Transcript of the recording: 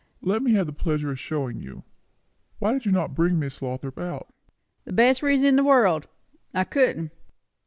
"Let me have the pleasure of showing you. Why did you not bring Miss Lothrop out?" "Best reason in the world; I couldn't.